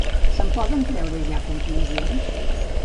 Se'n poden treure ja conclusions?